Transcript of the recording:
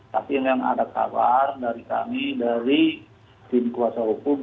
tapi memang ada kabar dari kami dari tim kuasa hukum